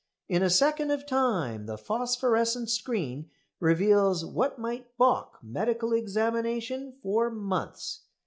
In a second of time the phosphorescent screen reveals what might baulk medical examination for months.